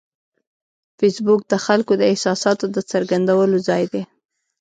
فېسبوک د خلکو د احساساتو د څرګندولو ځای دی